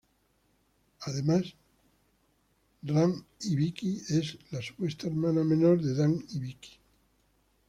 Además Ran Hibiki es la supuesta hermana menor de Dan Hibiki.